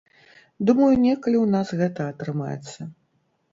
Думаю, некалі ў нас гэта атрымаецца.